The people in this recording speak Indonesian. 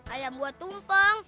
ayam buah tumpeng